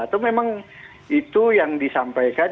atau memang itu yang disampaikan